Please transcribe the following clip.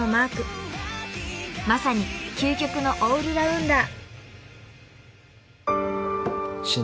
［まさに究極のオールラウンダー］